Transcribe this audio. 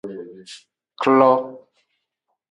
Klo.